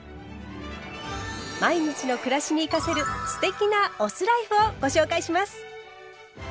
毎日の暮らしに生かせる“酢テキ”なお酢ライフをご紹介します。